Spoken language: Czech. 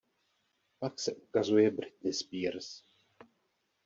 Pak se ukazuje Britney Spears.